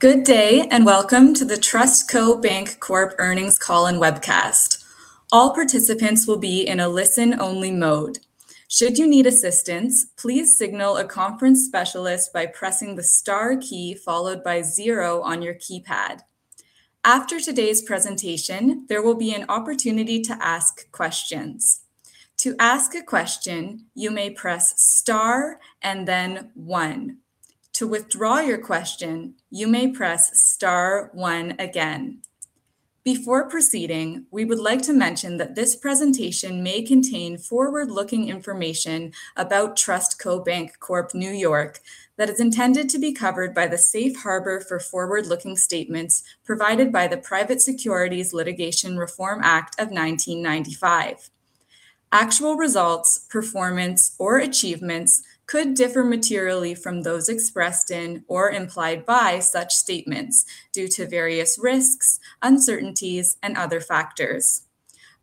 Good day, and welcome to the TrustCo Bank Corp earnings call and webcast. All participants will be in a listen-only mode. Should you need assistance, please signal a conference specialist by pressing the star key followed by zero on your keypad. After today's presentation, there will be an opportunity to ask questions. To ask a question, you may press star and then one. To withdraw your question, you may press star one again. Before proceeding, we would like to mention that this presentation may contain forward-looking information about TrustCo Bank Corp NY that is intended to be covered by the safe harbor for forward-looking statements provided by the Private Securities Litigation Reform Act of 1995. Actual results, performance, or achievements could differ materially from those expressed in or implied by such statements due to various risks, uncertainties, and other factors.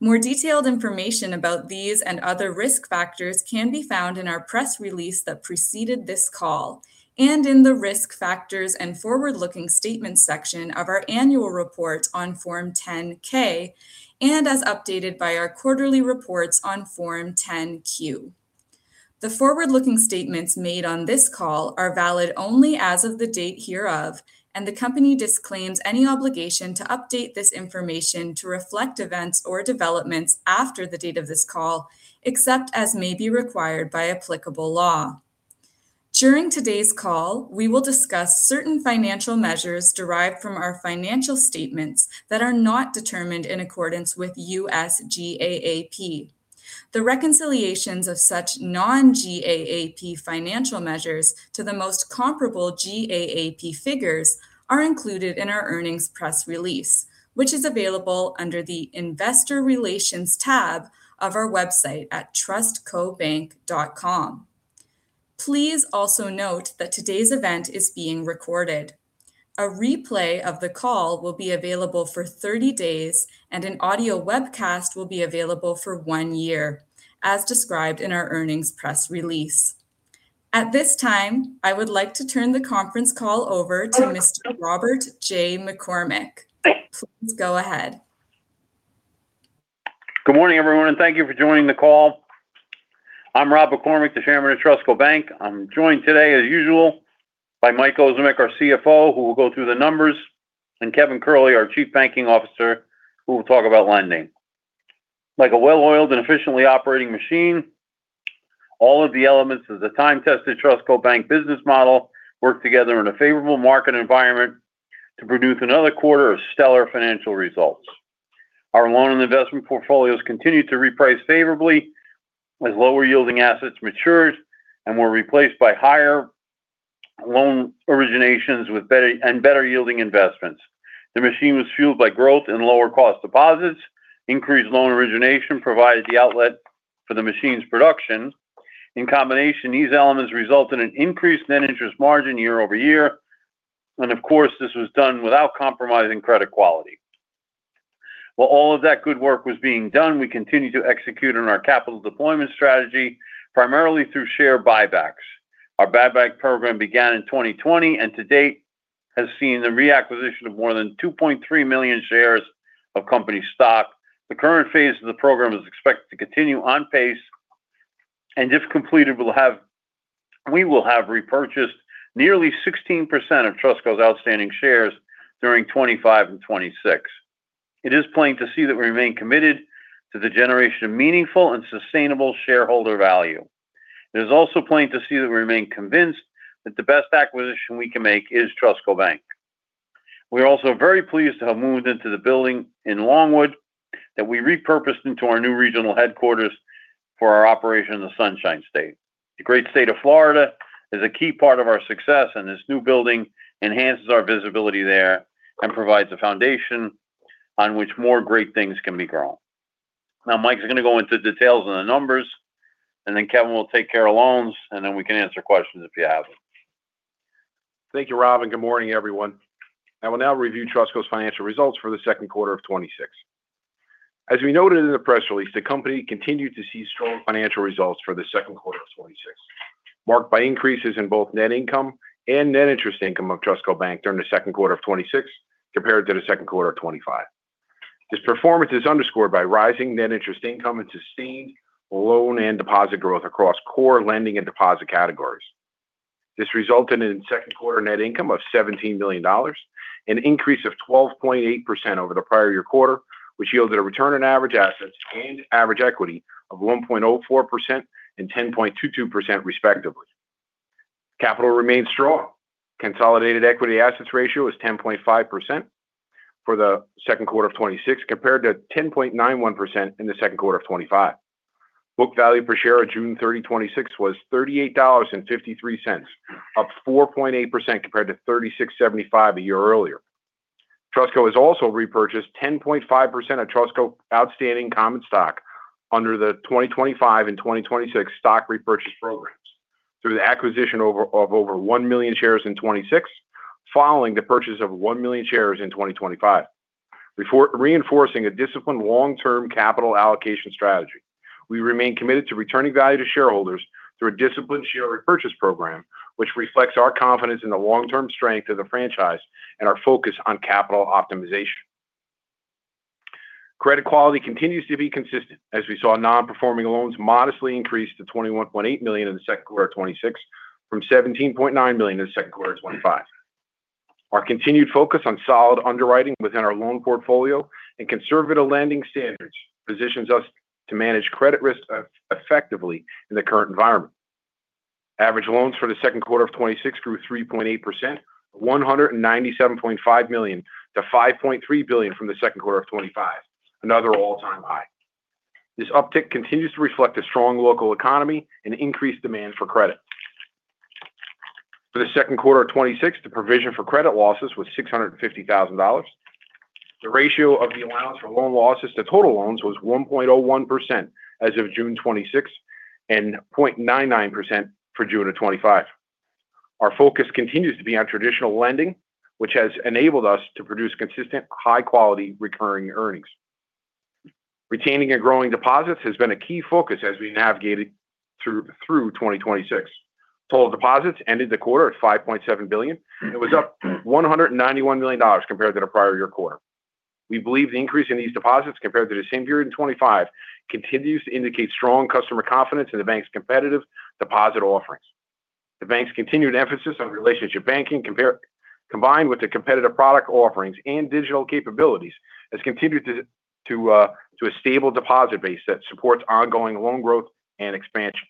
More detailed information about these and other risk factors can be found in our press release that preceded this call and in the Risk Factors and Forward-Looking Statements section of our annual report on Form 10-K and as updated by our quarterly reports on Form 10-Q. The forward-looking statements made on this call are valid only as of the date hereof. The company disclaims any obligation to update this information to reflect events or developments after the date of this call, except as may be required by applicable law. During today's call, we will discuss certain financial measures derived from our financial statements that are not determined in accordance with U.S. GAAP. The reconciliations of such non-GAAP financial measures to the most comparable GAAP figures are included in our earnings press release, which is available under the Investor Relations tab of our website at trustcobank.com. Please also note that today's event is being recorded. A replay of the call will be available for 30 days, and an audio webcast will be available for one year, as described in our earnings press release. At this time, I would like to turn the conference call over to Mr. Robert J. McCormick. Please go ahead. Good morning, everyone, and thank you for joining the call. I'm Rob McCormick, the chairman of TrustCo Bank. I'm joined today, as usual, by Mike Ozimek, our CFO, who will go through the numbers, and Kevin Curley, our Chief Banking Officer, who will talk about lending. Like a well-oiled and efficiently operating machine, all of the elements of the time-tested TrustCo Bank business model work together in a favorable market environment to produce another quarter of stellar financial results. Our loan and investment portfolios continued to reprice favorably as lower-yielding assets matured and were replaced by higher loan originations and better-yielding investments. The machine was fueled by growth in lower-cost deposits. Increased loan origination provided the outlet for the machine's production. In combination, these elements result in an increased net interest margin year-over-year. Of course, this was done without compromising credit quality. While all of that good work was being done, we continued to execute on our capital deployment strategy, primarily through share buybacks. Our buyback program began in 2020, and to date, has seen the reacquisition of more than 2.3 million shares of company stock. The current phase of the program is expected to continue on pace, and if completed, we will have repurchased nearly 16% of TrustCo's outstanding shares during 2025 and 2026. It is plain to see that we remain committed to the generation of meaningful and sustainable shareholder value. It is also plain to see that we remain convinced that the best acquisition we can make is TrustCo Bank. We are also very pleased to have moved into the building in Longwood that we repurposed into our new regional headquarters for our operation in the Sunshine State. The great state of Florida is a key part of our success, and this new building enhances our visibility there and provides a foundation on which more great things can be grown. Mike's going to go into details on the numbers. Kevin will take care of loans. We can answer questions if you have them. Thank you, Rob. Good morning, everyone. I will now review TrustCo's financial results for the second quarter of 2026. As we noted in the press release, the company continued to see strong financial results for the second quarter of 2026, marked by increases in both net income and net interest income of TrustCo Bank during the second quarter of 2026 compared to the second quarter of 2025. This performance is underscored by rising net interest income and sustained loan and deposit growth across core lending and deposit categories. This resulted in second quarter net income of $17 million, an increase of 12.8% over the prior year quarter, which yielded a return on average assets and average equity of 1.04% and 10.22%, respectively. Capital remains strong. Consolidated equity assets ratio is 10.5% for the second quarter of 2026 compared to 10.91% in the second quarter of 2025. Book value per share on June 30, 2026 was $38.53, up 4.8% compared to $36.75 a year earlier. TrustCo has also repurchased 10.5% of TrustCo outstanding common stock under the 2025 and 2026 stock repurchase programs through the acquisition of over 1 million shares in 2026 following the purchase of 1 million shares in 2025. Reinforcing a disciplined long-term capital allocation strategy. We remain committed to returning value to shareholders through a disciplined share repurchase program, which reflects our confidence in the long-term strength of the franchise and our focus on capital optimization. Credit quality continues to be consistent, as we saw non-performing loans modestly increase to $21.8 million in the second quarter of 2026 from $17.9 million in the second quarter of 2025. Our continued focus on solid underwriting within our loan portfolio and conservative lending standards positions us to manage credit risk effectively in the current environment. Average loans for the second quarter of 2026 grew 3.8%, $197.5 million to $5.3 billion from the second quarter of 2025, another all-time high. This uptick continues to reflect a strong local economy and increased demand for credit. For the second quarter of 2026, the provision for credit losses was $650,000. The ratio of the allowance for loan losses to total loans was 1.01% as of June 2026, and 0.99% for June of 2025. Our focus continues to be on traditional lending, which has enabled us to produce consistent, high-quality recurring earnings. Retaining and growing deposits has been a key focus as we navigated through 2026. Total deposits ended the quarter at $5.7 billion. It was up $191 million compared to the prior year quarter. We believe the increase in these deposits compared to the same period in 2025 continues to indicate strong customer confidence in the bank's competitive deposit offerings. The bank's continued emphasis on relationship banking, combined with the competitive product offerings and digital capabilities, has continued to a stable deposit base that supports ongoing loan growth and expansion.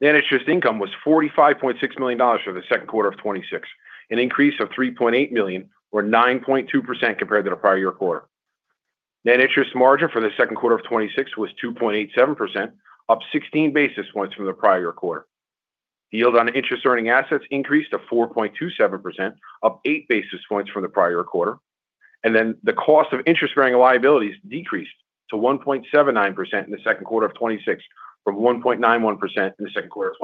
Net interest income was $45.6 million for the second quarter of 2026, an increase of $3.8 million or 9.2% compared to the prior year quarter. Net interest margin for the second quarter of 2026 was 2.87%, up 16 basis points from the prior quarter. The yield on interest-earning assets increased to 4.27%, up 8 basis points from the prior quarter. The cost of interest-bearing liabilities decreased to 1.79% in the second quarter of 2026 from 1.91% in the second quarter of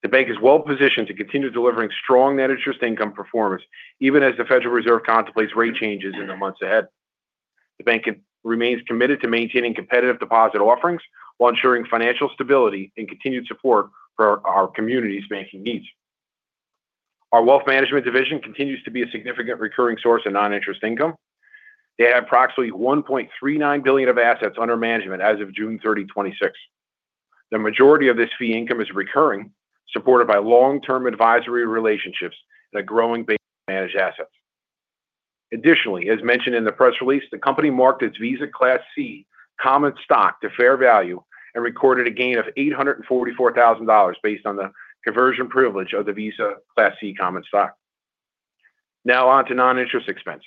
2025. The bank is well-positioned to continue delivering strong net interest income performance even as the Federal Reserve contemplates rate changes in the months ahead. The bank remains committed to maintaining competitive deposit offerings while ensuring financial stability and continued support for our community's banking needs. Our wealth management division continues to be a significant recurring source of non-interest income. They had approximately $1.39 billion of assets under management as of June 30, 2026. The majority of this fee income is recurring, supported by long-term advisory relationships and a growing base of managed assets. Additionally, as mentioned in the press release, the company marked its Visa Class C common stock to fair value and recorded a gain of $844,000 based on the conversion privilege of the Visa Class C common stock. Now on to non-interest expense.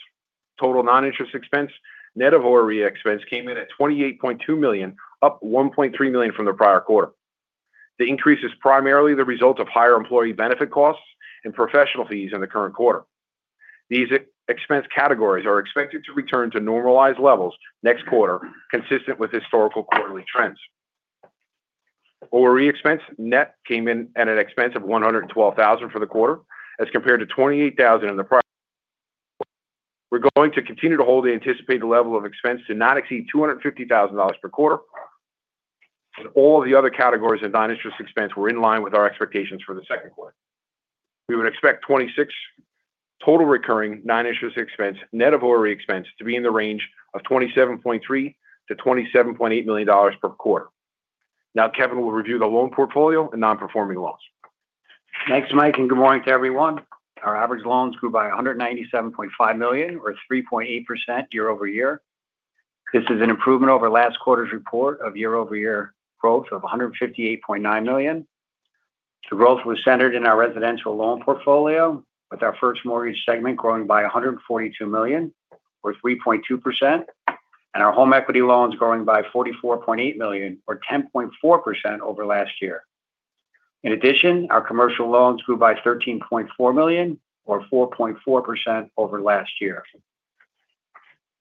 Total non-interest expense, net of ORE expense, came in at $28.2 million, up $1.3 million from the prior quarter. The increase is primarily the result of higher employee benefit costs and professional fees in the current quarter. These expense categories are expected to return to normalized levels next quarter, consistent with historical quarterly trends. ORE expense net came in at an expense of $112,000 for the quarter as compared to $28,000 in the prior. We're going to continue to hold the anticipated level of expense to not exceed $250,000 per quarter. All of the other categories of non-interest expense were in line with our expectations for the second quarter. We would expect 2026 total recurring non-interest expense, net of ORE expense, to be in the range of $27.3 million-$27.8 million per quarter. Now Kevin will review the loan portfolio and non-performing loans. Thanks, Mike, good morning to everyone. Our average loans grew by $197.5 million or 3.8% year-over-year. This is an improvement over last quarter's report of year-over-year growth of $158.9 million. The growth was centered in our residential loan portfolio with our first mortgage segment growing by $142 million or 3.2%, and our home equity loans growing by $44.8 million or 10.4% over last year. In addition, our commercial loans grew by $13.4 million or 4.4% over last year.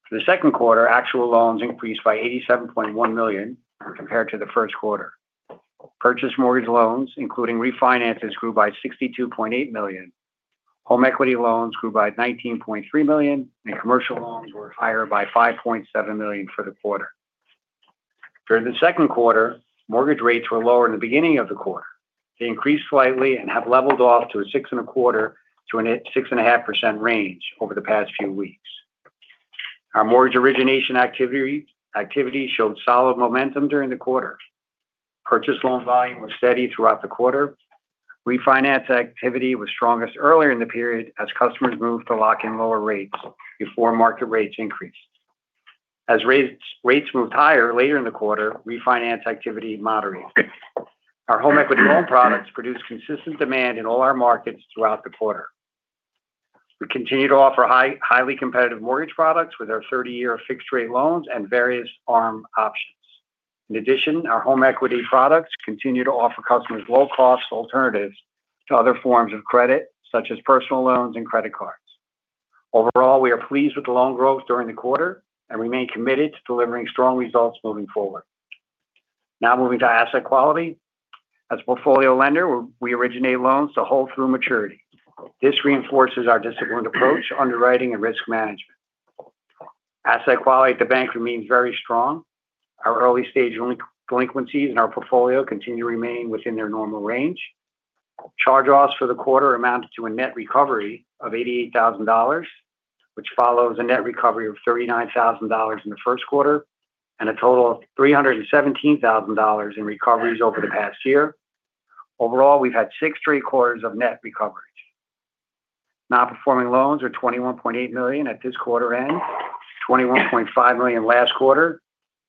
For the second quarter, actual loans increased by $87.1 million compared to the first quarter. Purchase mortgage loans, including refinances, grew by $62.8 million. Home equity loans grew by $19.3 million, and commercial loans were higher by $5.7 million for the quarter. During the second quarter, mortgage rates were lower in the beginning of the quarter. They increased slightly and have leveled off to a 6.25%-6.5% range over the past few weeks. Our mortgage origination activity showed solid momentum during the quarter. Purchase loan volume was steady throughout the quarter. Refinance activity was strongest earlier in the period as customers moved to lock in lower rates before market rates increased. As rates moved higher later in the quarter, refinance activity moderated. Our home equity loan products produced consistent demand in all our markets throughout the quarter. We continue to offer highly competitive mortgage products with our 30-year fixed rate loans and various ARM options. In addition, our home equity products continue to offer customers low-cost alternatives to other forms of credit, such as personal loans and credit cards. Overall, we are pleased with the loan growth during the quarter and remain committed to delivering strong results moving forward. Now moving to asset quality. As a portfolio lender, we originate loans to hold through maturity. This reinforces our disciplined approach, underwriting and risk management. Asset quality at the bank remains very strong. Our early-stage delinquencies in our portfolio continue to remain within their normal range. Charge-offs for the quarter amounted to a net recovery of $88,000, which follows a net recovery of $39,000 in the first quarter and a total of $317,000 in recoveries over the past year. Overall, we've had six straight quarters of net recovery. Non-performing loans are $21.8 million at this quarter end, $21.5 million last quarter,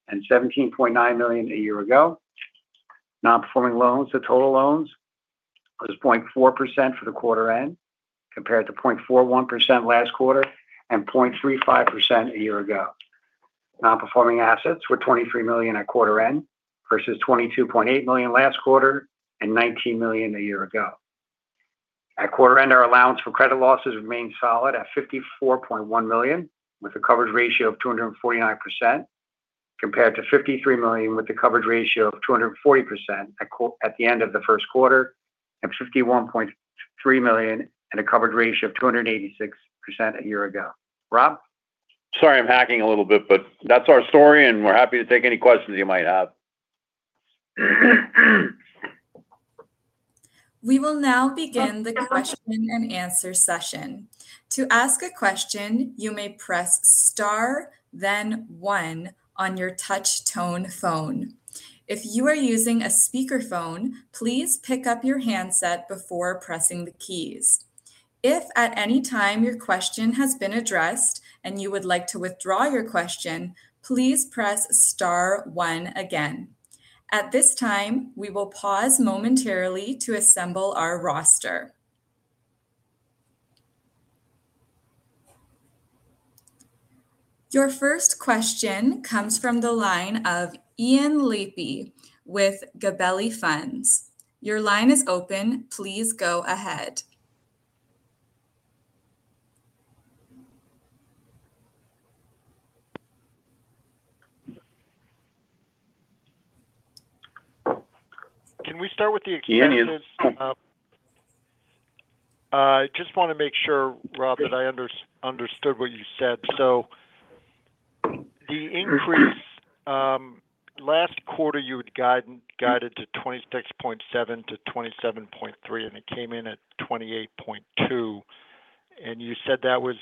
and $17.9 million a year ago. Non-performing loans to total loans was 0.4% for the quarter end, compared to 0.41% last quarter and 0.35% a year ago. Non-performing assets were $23 million at quarter end versus $22.8 million last quarter and $19 million a year ago. At quarter end, our allowance for credit losses remained solid at $54.1 million, with a coverage ratio of 249%, compared to $53 million with a coverage ratio of 240% at the end of the first quarter, and $51.3 million and a coverage ratio of 286% a year ago. Rob? Sorry, I'm hacking a little bit, but that's our story, and we're happy to take any questions you might have. We will now begin the question and answer session. To ask a question, you may press star then one on your touch tone phone. If you are using a speakerphone, please pick up your handset before pressing the keys. If at any time your question has been addressed and you would like to withdraw your question, please press star one again. At this time, we will pause momentarily to assemble our roster. Your first question comes from the line of Ian Lapey with Gabelli Funds. Your line is open. Please go ahead. Can we start with the expenses? Ian. I just want to make sure, Rob- Sure That I understood what you said. The increase last quarter, you had guided to $26.7 million-$27.3 million, and it came in at $28.2 million. You said that was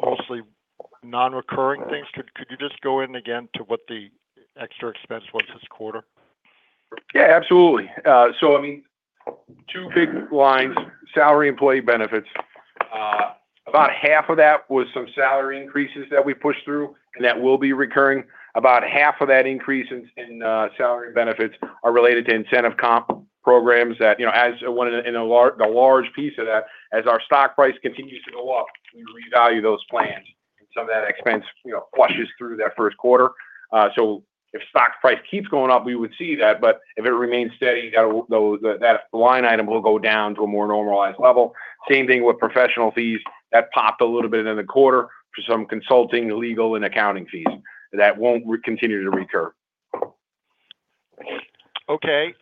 mostly non-recurring things. Could you just go in again to what the extra expense was this quarter? Yeah, absolutely. Two big lines, salary employee benefits. About half of that was some salary increases that we pushed through, and that will be recurring. About half of that increase in salary benefits are related to incentive comp programs that as a large piece of that, as our stock price continues to go up, we revalue those plans, and some of that expense pushes through that first quarter. If stock price keeps going up, we would see that, but if it remains steady, that line item will go down to a more normalized level. Same thing with professional fees. That popped a little bit in the quarter for some consulting, legal, and accounting fees. That won't continue to recur. Okay.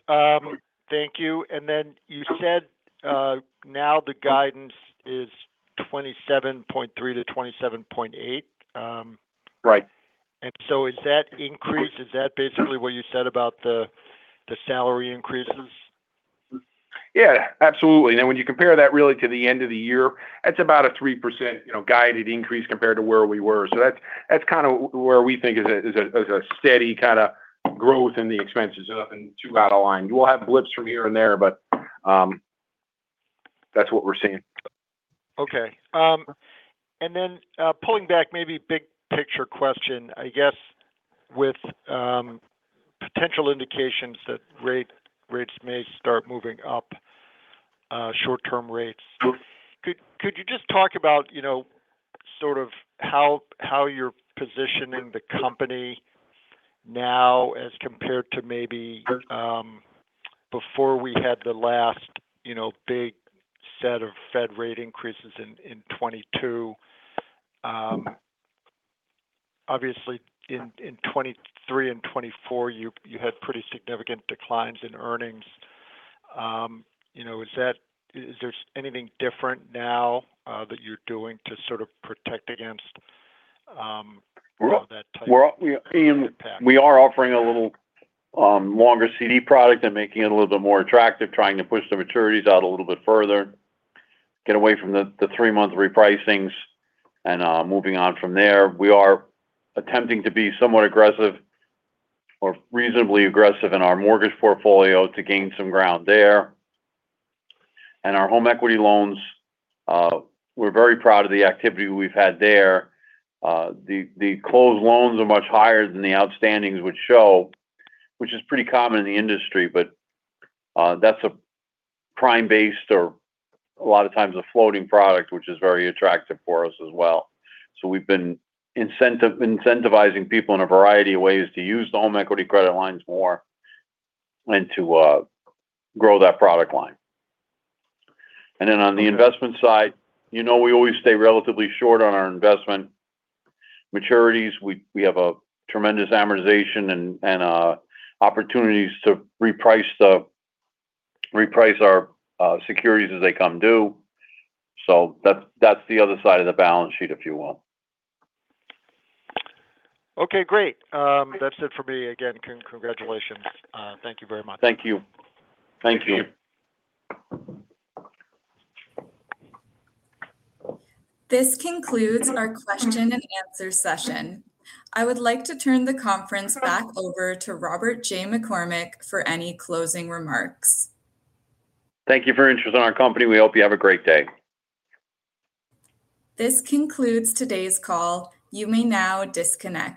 Thank you. You said, now the guidance is $27.3 million-$27.8 million. Right. Is that increase, is that basically what you said about the salary increases? Yeah, absolutely. When you compare that really to the end of the year, that's about a 3% guided increase compared to where we were. That's where we think is a steady kind of growth in the expenses. Nothing too out of line. We'll have blips from here and there, but that's what we're seeing. Okay. Pulling back maybe big picture question. I guess, with potential indications that rates may start moving up, short-term rates. Could you just talk about how you're positioning the company now as compared to maybe before we had the last big set of Fed rate increases in 2022? Obviously in 2023 and 2024 you had pretty significant declines in earnings. Is there anything different now that you're doing to sort of protect against that type of impact? Ian, we are offering a little longer CD product and making it a little bit more attractive, trying to push the maturities out a little bit further, get away from the three-month repricings and moving on from there. We are attempting to be somewhat aggressive or reasonably aggressive in our mortgage portfolio to gain some ground there. Our home equity loans, we're very proud of the activity we've had there. The closed loans are much higher than the outstandings would show, which is pretty common in the industry, but that's a prime-based or a lot of times a floating product, which is very attractive for us as well. We've been incentivizing people in a variety of ways to use the home equity credit lines more and to grow that product line. On the investment side, we always stay relatively short on our investment maturities. We have a tremendous amortization and opportunities to reprice our securities as they come due. That's the other side of the balance sheet, if you will. Okay, great. That's it for me. Again, congratulations. Thank you very much. Thank you. This concludes our question and answer session. I would like to turn the conference back over to Robert J. McCormick for any closing remarks. Thank you for your interest in our company. We hope you have a great day. This concludes today's call. You may now disconnect.